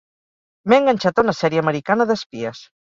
M'he enganxat a una sèrie americana d'espies.